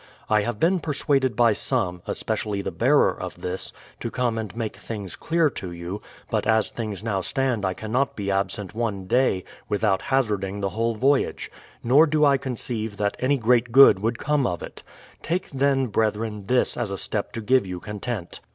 I have been persuaded by some, especially the bearer of this, to come and make things clear to you ; but as things now stand I cannot be absent one day, without hazarding the whole voyage ; nor do I conceive that any great good would come of it. Take then, brethren, this as a step to give you content.